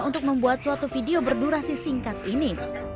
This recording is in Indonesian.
untuk membuat suatu video berdurasi singkat ini